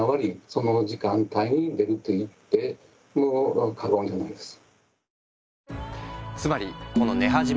その時間帯に出ると言っても過言じゃないです。